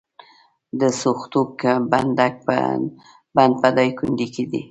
د سوختوک بند په دایکنډي کې دی